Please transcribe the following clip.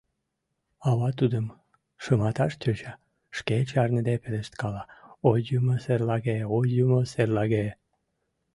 Ава тудым шыматаш тӧча, шке чарныде пелешткала: «Ой, юмо серлаге, ой, юмо серлаге!».